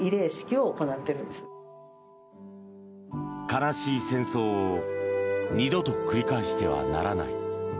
悲しい戦争を二度と繰り返してはならない。